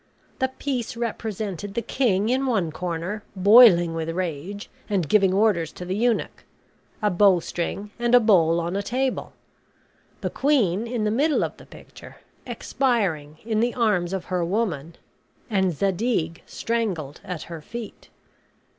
The piece represented the king in one corner, boiling with rage, and giving orders to the eunuch; a bowstring, and a bowl on a table; the queen in the middle of the picture, expiring in the arms of her woman, and Zadig strangled at her feet.